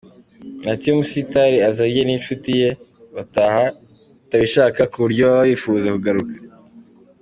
Ati “Iyo umusitari azanye n’inshuti ye, bataha batabishaka ku buryo baba bifuza kugarukana.